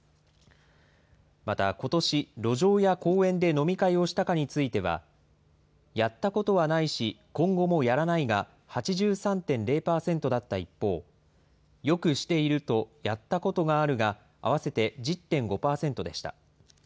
また、ことし路上や公園で飲み会をしたかについては、やったことはないし、今後もやらないが、８３．０％だった一方、よくしているとやったことがあるが合わせて１０．５％でした。